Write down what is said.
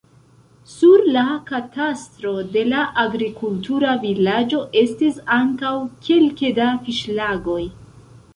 Sur la katastro de la agrikultura vilaĝo estis ankaŭ kelke da fiŝlagoj.